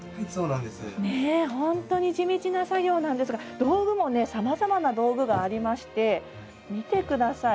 本当に地道な作業なんですが道具もさまざまな道具がありまして、見てください。